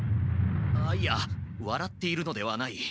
あいやわらっているのではない。